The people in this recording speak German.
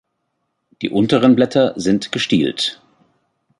Die unteren Blätter sind gestielt.